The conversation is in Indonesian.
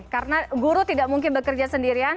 karena guru tidak mungkin bekerja sendirian